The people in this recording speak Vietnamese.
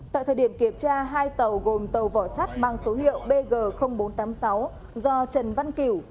tại thời điểm kiểm tra hai tàu gồm tàu vỏ sắt mang số hiệu bg bốn trăm tám mươi sáu do trần văn kiểu